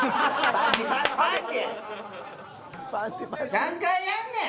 何回やんねん！